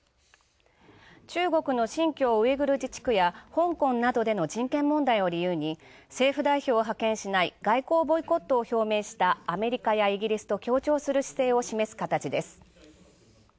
中国の新疆ウイグル自治区や香港などでの人権問題を理由に、政府代表を派遣しない外交ボイコットを表明したアメリカやイギリスと協調する姿勢を示す形です。